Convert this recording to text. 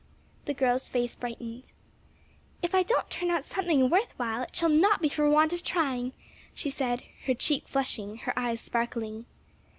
The girl's face brightened. "If I don't turn out something worth while it shall not be for want of trying," she said, her cheek flushing, her eyes sparkling.